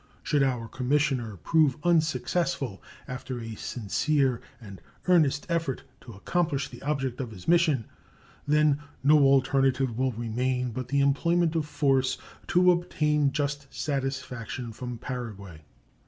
Should our commissioner prove unsuccessful after a sincere and earnest effort to accomplish the object of his mission, then no alternative will remain but the employment of force to obtain "just satisfaction" from Paraguay.